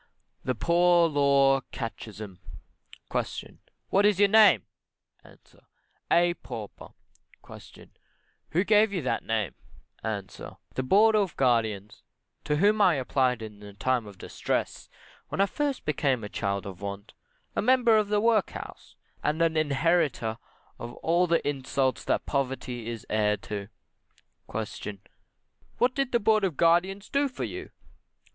THE POOR LAW CATECHISM. Q. What is your name? A. A Pauper. Q. Who gave you that name? A. The Board of Guardians, to whom I applied in the time of distress, when first I became a child of want, a member of the workhouse, and an inheritor of all the insults that poverty is heir to. Q. What did the Board of Guardians do for you.